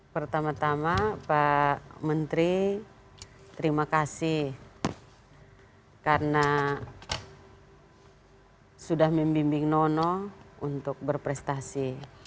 pertama tama pak menteri terima kasih karena sudah membimbing nono untuk berprestasi